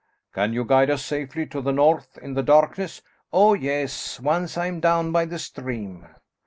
"Can you guide us safely to the north in the darkness?" "Oh, yes, once I am down by the stream."